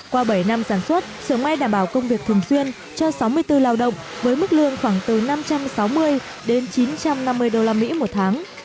qua bảy năm sản xuất sưởng may đảm bảo công việc thường xuyên cho sáu mươi bốn lao động với mức lương khoảng từ năm trăm sáu mươi đến chín trăm năm mươi usd một tháng